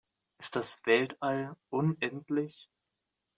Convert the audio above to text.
Ist das Weltall unendlich?